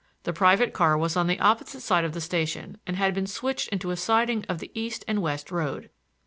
The private car was on the opposite side of the station and had been switched into a siding of the east and west road.